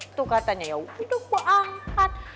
itu katanya yaudah gue angkat